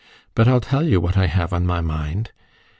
But I'll tell you what I have on my mind.